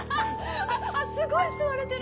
あすごい吸われてる！